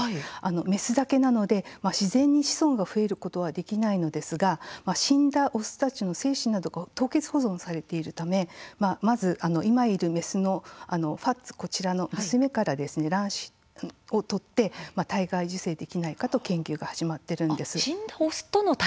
メスだけなので自然に子孫が増えることはできないんですが死んだオスたちの精子などが凍結保存されているためまず今いるメスのファツ娘の方から卵子を採って体外受精ができないかと研究が始まっているんです。